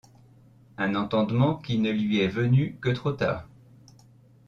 Un entendement qui ne lui est venu que trop tard.